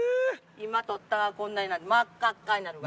今取ったこんなになる真っ赤っかになる。